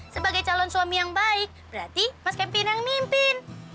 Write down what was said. sebagai calon suami yang baik berarti mas kempin yang mimpin